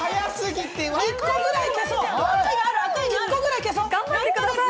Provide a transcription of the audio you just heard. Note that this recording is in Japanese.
１個ぐらい消そう！